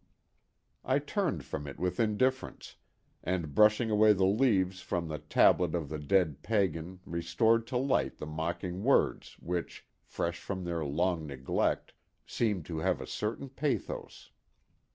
I turned from it with indifference, and brushing away the leaves from the tablet of the dead pagan restored to light the mocking words which, fresh from their long neglect, seemed to have a certain pathos.